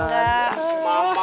dadah bang diman